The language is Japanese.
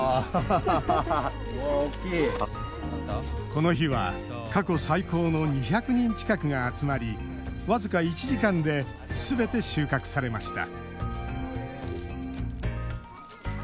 この日は過去最高の２００人近くが集まり僅か１時間ですべて収穫されました